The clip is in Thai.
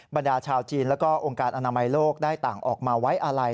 บรรยาชาวจีนและโรงการอนามัยโลกได้ต่างออกมาไว้อะไร